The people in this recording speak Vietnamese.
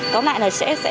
có lại là sẽ